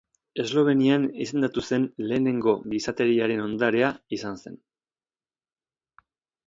Eslovenian izendatu zen lehenengo Gizateriaren Ondarea izan zen.